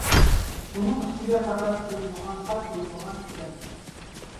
ئۇنىڭ ئۈستىگە پەقەت بىر يۇغان خەت ئويۇلغان ئىكەن.